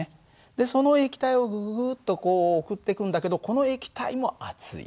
でその液体をグググッと送ってくんだけどこの液体も熱い。